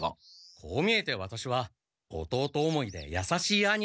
こう見えてワタシは弟思いでやさしい兄なんです。